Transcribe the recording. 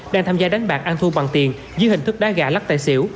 đang tham gia đánh bạc ăn thu bằng tiền dưới hình thức đá gà lắc tài xỉu